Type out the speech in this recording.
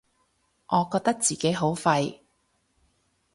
我覺得自己好廢